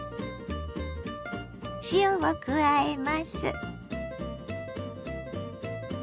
塩を加えます。